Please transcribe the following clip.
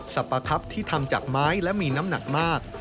ปะครับที่ทำจากไม้และมีน้ำหนักมาก